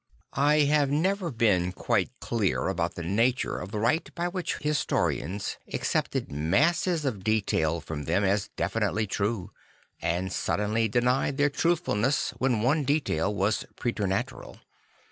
I have never been quite clear about the nature of the right by which historians accepted masses of detail from them as definitely true, and suddenly denied their truthfulness when one detail was preternatural.